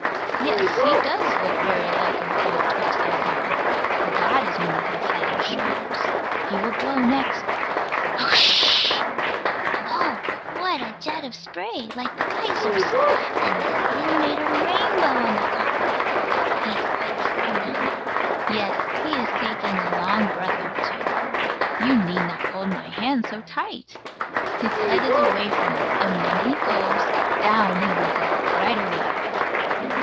Yes. He does look very like a boat upside down. But that is only his head and shoulders. He will blow next. "Hoch!" Oh! What a jet of spray, like the Geysers! And the sun made a rainbow on the top of it. He is quite still now. Yes; he is taking a long breath or two. You need not hold my hand so tight. His head is from us; and when he goes down he will go right away.